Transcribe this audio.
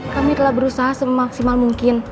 kami telah berusaha semaksimal mungkin